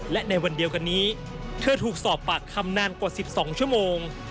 และในวันเดียวกันนี้เธอถูกสอบปากคำนานกว่า๑๒ชั่วโมง